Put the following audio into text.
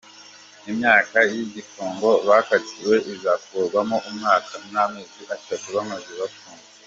Imyaka y’igifungo bakatiwe izakurwamo umwaka n’amezi atatu bamaze bafunze.